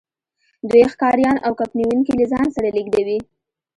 دوی ښکاریان او کب نیونکي له ځان سره لیږدوي